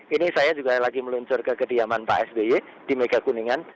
ini saya juga lagi meluncur ke kediaman pak s b y di mega kuningan